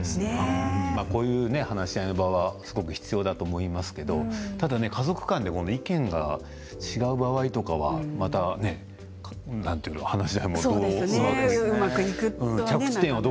こういう話し合いの場はすごく必要だと思いますけどただ、家族間で意見が違う場合とかはうまくいくとはね。